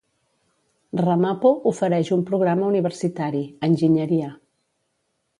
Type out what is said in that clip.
Ramapo ofereix un programa universitari: enginyeria.